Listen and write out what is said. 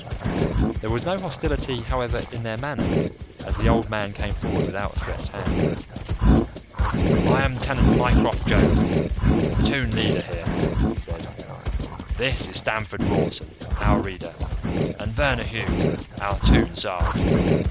There was no hostility, however, in their manner as the old man came forward with outstretched hand. "I am Tenant Mycroft Jones, the Toon Leader here," he said. "This is Stamford Rawson, our Reader, and Verner Hughes, our Toon Sarge.